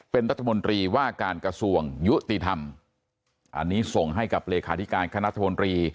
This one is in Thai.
เป็นรัฐมนตรีว่าการกระทรวงยุติธรรมอันนี้ส่งให้กับเลขาธิการคณะรัฐมนตรี